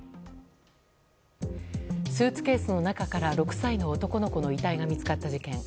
スーツケースの中から６歳の男の子の遺体が見つかった事件。